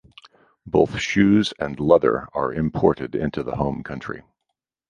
Both shoes and leather are imported into the home country.